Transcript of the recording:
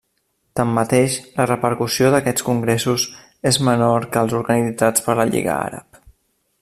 Tanmateix, la repercussió d'aquests congressos és menor que els organitzats per la Lliga Àrab.